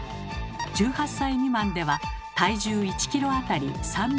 １８歳未満では体重１ｋｇあたり３ｍｇまで。